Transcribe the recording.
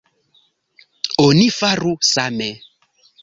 Oni faru same.